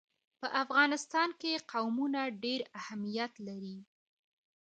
په افغانستان کې قومونه ډېر اهمیت لري.